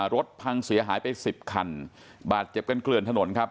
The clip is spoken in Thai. รถพังเสียหายไป๑๐คันบาดเจ็บกันเกลื่อนถนนครับ